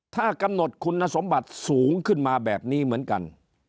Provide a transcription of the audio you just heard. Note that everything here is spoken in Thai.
ถ้ากำหนดคุณสมบัติสูงขึ้นมาแบบนี้เหมือนกัน